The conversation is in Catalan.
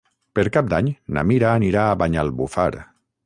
Per Cap d'Any na Mira anirà a Banyalbufar.